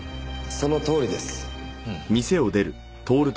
そのとおりです。